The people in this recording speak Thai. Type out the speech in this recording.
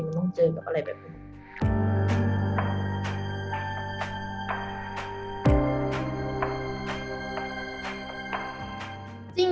มันต้องเจอกับอะไรแบบนี้